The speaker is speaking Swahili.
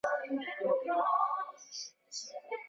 kwenye kazi ya ujazaji wa kifusi na vifaa vimeshaagizwa